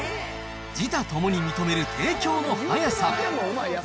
自他ともに認める提供の早さ。